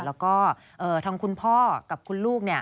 แล้วก็ทางคุณพ่อกับคุณลูก